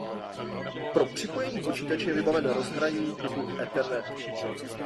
Pro připojení počítače je vybaven rozhraním typu Ethernet.